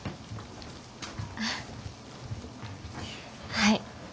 はい。